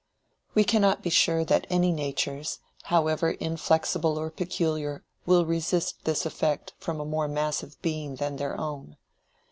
We cannot be sure that any natures, however inflexible or peculiar, will resist this effect from a more massive being than their own.